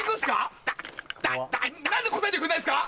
何で答えてくれないんすか？